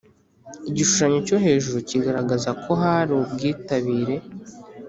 Igishushanyo cyo hejuru kigaragaza kohari ubwitabire